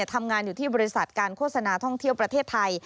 ทำงานอยู่ที่บริษัทการโฆษณาท่องเที่ยวประเทศไทย